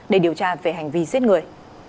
để điều tra về hành vi giết người